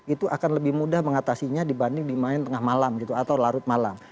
itu akan lebih mudah mengatasinya dibanding dimain tengah malam atau larut malam